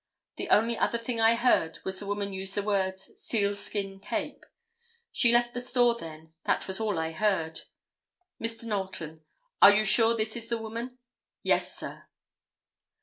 The only other thing I heard was the woman use the words, 'seal skin cape.' She left the store then. That was all I heard." Mr. Knowlton "Are you sure this is the woman?" "Yes, sir."